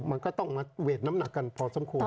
มันก็ต้องมาเวทน้ำหนักกันพอสมควร